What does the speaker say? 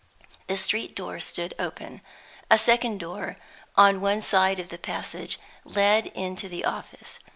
The street door stood open. A second door, on one side of the passage, led into the office.